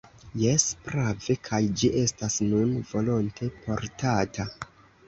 Jes, prave, kaj ĝi estas nun volonte portata.